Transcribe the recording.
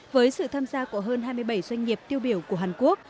với sự tham gia của hơn hai mươi bảy doanh nghiệp tiêu biểu của hàn quốc